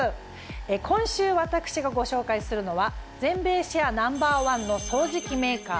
今週私がご紹介するのは全米シェアＮｏ．１の掃除機メーカー